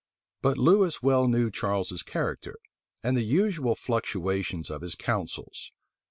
But Lewis well knew Charles's character, and the usual fluctuations of his counsels.